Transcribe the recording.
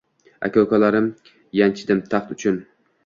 Aka-ukalarim yanchdim taxt uchun